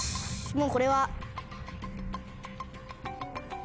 もうこれは。